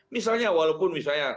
misalnya walaupun misalnya